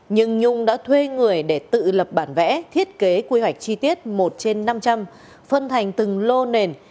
nhưng nhung đã thuê người để tự lập bản vẽ thiết kế quy hoạch chi tiết một trên năm trăm linh phân thành từng lô nền